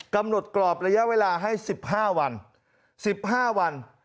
กำหนดกรอบระยะเวลาให้๑๕วัน๑๕วัน